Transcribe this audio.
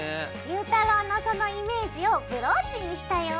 ゆうたろうのそのイメージをブローチにしたよ。